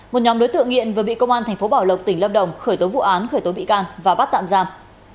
một nhóm đối tượng nghiện vừa bị công an thành phố bảo lộc tỉnh lâm đồng khởi tố vụ án khởi tố bị can và bắt tạm giam